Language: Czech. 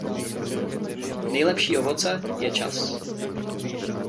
Nejlepší ovoce je čas.